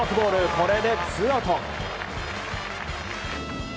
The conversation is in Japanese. これでツーアウト。